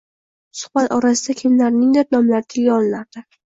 Suhbat orasida kimlarningdir nomlari tilga olinardi.